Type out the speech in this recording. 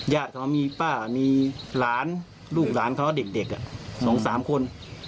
ญาติเขามีป้ามีหลานลูกหลานเขาเด็กอ่ะสองสามคน